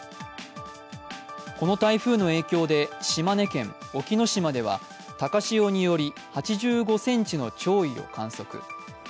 この台風の影響で、島根県隠岐の島では高潮により８５ｃｍの潮位を観測。